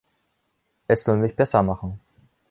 Es soll mich besser machen.